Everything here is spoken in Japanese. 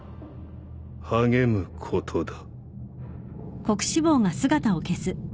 励むことだ。